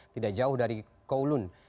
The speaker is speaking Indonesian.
tidak jauh dari kowloon